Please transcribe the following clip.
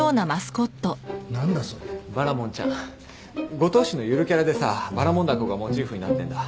五島市のゆるキャラでさバラモン凧がモチーフになってんだ。